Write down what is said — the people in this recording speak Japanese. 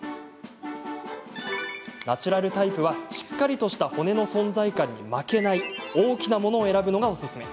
ナチュラルタイプはしっかりとした骨の存在感に負けない大きなものを選ぶのがおすすめ。